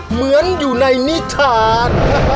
เหมือนอยู่ในนิชาญ